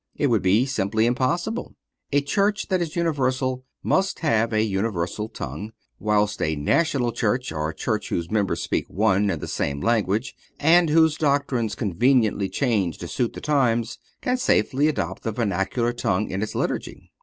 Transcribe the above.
It would be simply impossible. A church that is universal must have a universal tongue; whilst a national church, or a church whose members speak one and the same language, and whose doctrines conveniently change to suit the times, can safely adopt the vernacular tongue in its liturgy.